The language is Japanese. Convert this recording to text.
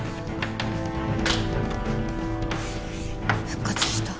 復活した。